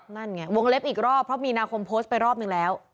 นั่นไงวงเล็บอีกรอบเพราะมีนาคมโพสต์ไปรอบนึงแล้ว